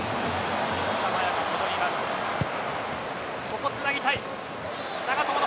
ここをつなぎたい。